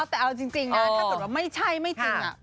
แต่เอาจริงนะถ้าเกิดว่าไม่ใช่ไม่จริง